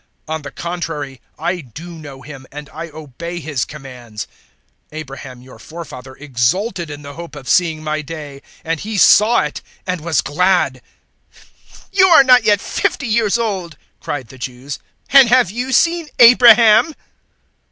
On the contrary I do know Him, and I obey His commands. 008:056 Abraham your forefather exulted in the hope of seeing my day: and he saw it, and was glad." 008:057 "You are not yet fifty years old," cried the Jews, "and have you seen Abraham?"